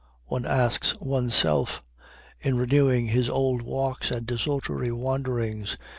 one asks one's self in renewing his old walks and desultory wanderings.